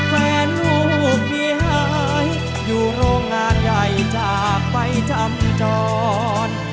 ลูกพี่หายอยู่โรงงานใหญ่จากไปจำจร